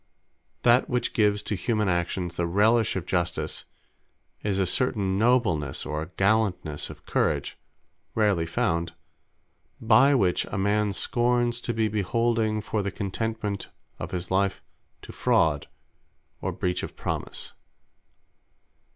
That which gives to humane Actions the relish of Justice, is a certain Noblenesse or Gallantnesse of courage, (rarely found,) by which a man scorns to be beholding for the contentment of his life, to fraud, or breach of promise.